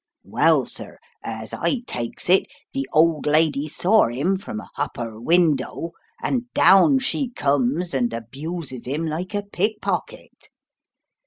Well, sir, as I takes it, the old lady saw 'im from a hupper window and down she comes and abuses 'im like a pickpocket.